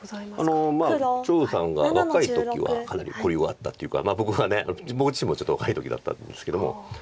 張栩さんが若い時はかなり交流はあったというか僕自身もちょっと若い時だったんですけども。